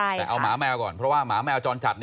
แต่เอาหมาแมวก่อนเพราะว่าหมาแมวจรจัด